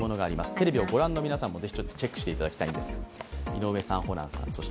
テレビをご覧の皆さんも、ぜひチェックしていただきたいです。